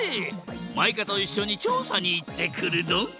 マイカといっしょにちょうさにいってくるドン！